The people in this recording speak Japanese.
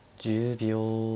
１０秒。